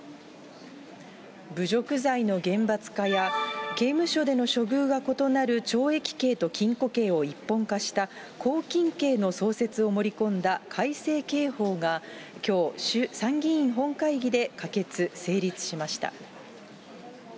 侮辱罪の厳罰化や、刑務所での処遇が異なる懲役刑と禁錮刑を一本化した拘禁刑の創設を盛り込んだ改正刑法がきょう、参議院本会議で可決・成立しました。